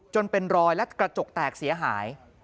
จนเป็นรอยและกระจกแตกเสียหาย